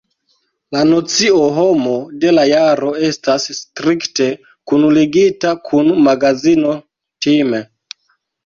La nocio Homo de la Jaro estas strikte kunligita kun magazino Time.